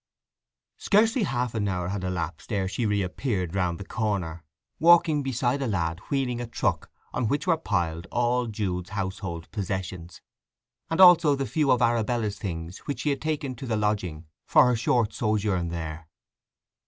Scarcely half an hour had elapsed ere she reappeared round the corner, walking beside a lad wheeling a truck on which were piled all Jude's household possessions, and also the few of Arabella's things which she had taken to the lodging for her short sojourn there.